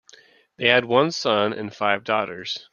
They had one son and five daughters.